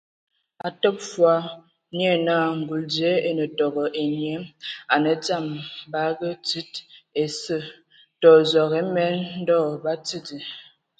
A təbə fɔɔ, nye naa ngul dzie e ne tego ai nnyie, a nǝ dzam bagǝ tsid ese, tɔ zog emen. Ndɔ batsidi.